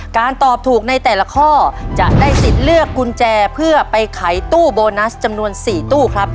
ตอบถูกในแต่ละข้อจะได้สิทธิ์เลือกกุญแจเพื่อไปขายตู้โบนัสจำนวน๔ตู้ครับ